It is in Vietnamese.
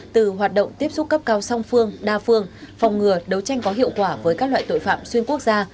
từ hoạt động tiếp xúc cấp cao song phương đa phương phòng ngừa đấu tranh có hiệu quả với các loại tội phạm xuyên quốc gia